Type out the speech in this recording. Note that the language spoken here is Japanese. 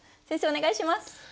先生お願いします。